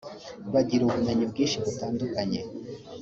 bagira ubumenyi bwinshi butandukanye